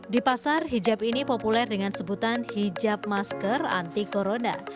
di pasar hijab ini populer dengan sebutan hijab masker anti corona